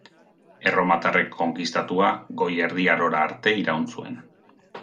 Erromatarrek konkistatua, Goi Erdi Arora arte iraun zuen.